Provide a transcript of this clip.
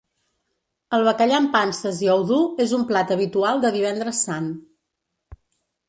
El bacallà amb panses i ou dur és un plat habitual de Divendres Sant.